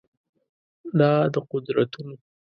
دا د قدرتونو